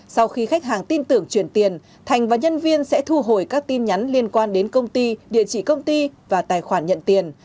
sau khi khách hàng tin tưởng chuyển tiền thành và nhân viên sẽ thu hồi các tin nhắn liên quan đến công ty địa chỉ công ty và tài khoản nhận tiền